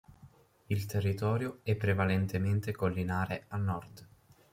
Il territorio è prevalentemente collinare a nord.